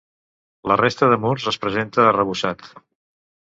La resta de murs es presenta arrebossat.